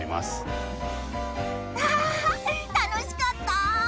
あ楽しかった！